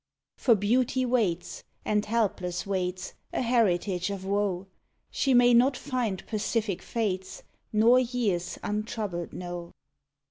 For Beauty waits, and helpless waits, A heritage of woe ; She may not find pacific Fates, Nor years untroubled know.